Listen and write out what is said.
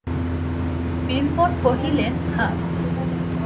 বিল্বন কহিলেন, হাঁ।